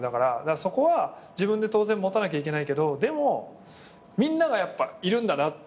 そこは自分で当然持たなきゃいけないけどでもみんながやっぱいるんだなっていうのを。